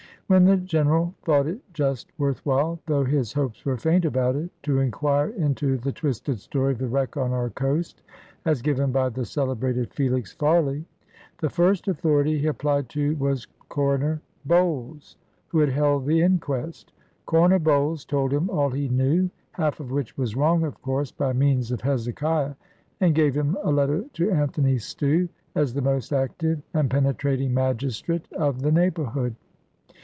When the General thought it just worth while, though his hopes were faint about it, to inquire into the twisted story of the wreck on our coast, as given by the celebrated Felix Farley; the first authority he applied to was Coroner Bowles, who had held the inquest. Coroner Bowles told him all he knew (half of which was wrong, of course, by means of Hezekiah) and gave him a letter to Anthony Stew, as the most active and penetrating magistrate of the neighbourhood.